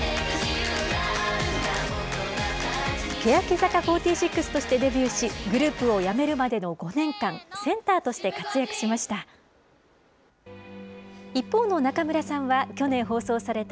欅坂４６としてデビューし、グループをやめるまでの５年間、センターとして活躍しました。